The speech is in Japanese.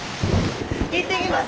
行ってきます！